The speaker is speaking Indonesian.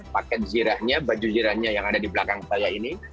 paket zirahnya baju zirahnya yang ada di belakang saya ini